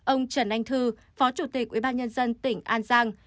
ông trần anh thư phó chủ tịch ubnd tỉnh an giang